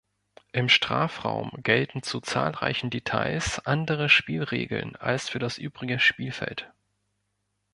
Im Strafraum gelten zu zahlreichen Details andere Spielregeln als für das übrige Spielfeld.